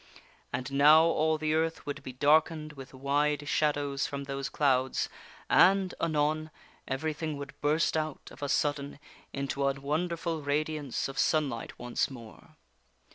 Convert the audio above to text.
And now all the earth would be darkened with wide shadows from those clouds, and, anon, everything would burst out, of a sudden, into a wonderful radiance of sunlight once more.